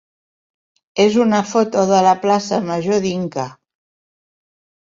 és una foto de la plaça major d'Inca.